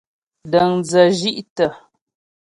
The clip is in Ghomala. Dəŋdzə shí'tə.